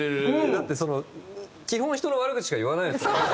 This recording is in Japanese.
だってその基本人の悪口しか言わないですから。